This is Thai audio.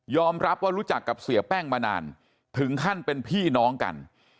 รับว่ารู้จักกับเสียแป้งมานานถึงขั้นเป็นพี่น้องกัน